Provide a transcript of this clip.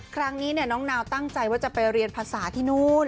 ครั้งนี้น้องนาวตั้งใจว่าจะไปเรียนภาษาที่นู่น